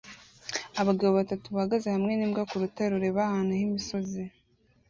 Abagabo batatu bahagaze hamwe n'imbwa ku rutare rureba ahantu h'imisozi